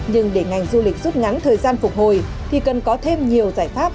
nhưng để ngành du lịch rút ngắn thời gian phục hồi thì cần có thêm nhiều giải pháp